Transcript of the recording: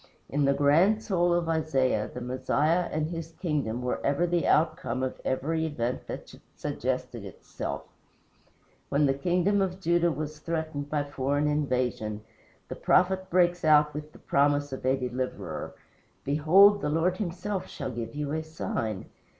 In the grand soul of Isaiah, the Messiah and his kingdom were ever the outcome of every event that suggested itself. When the kingdom of Judah was threatened by foreign invasion, the prophet breaks out with the promise of a Deliverer: "Behold, the Lord himself shall give you a sign.